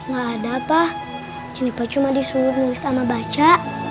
gak ada pah jenifer cuma disuruh nulis sama baca